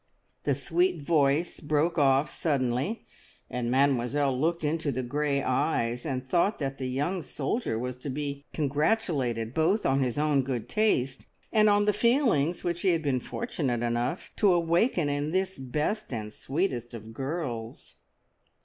The sweet voice broke off suddenly, and Mademoiselle looked into the grey eyes, and thought that the young soldier was to be congratulated both on his own good taste, and on the feelings which he had been fortunate enough to awaken in this best and sweetest of girls.